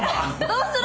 どうする？